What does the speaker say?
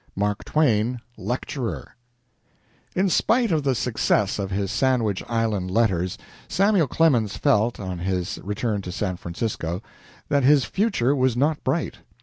MARK TWAIN, LECTURER In spite of the success of his Sandwich Island letters, Samuel Clemens felt, on his return to San Francisco, that his future was not bright.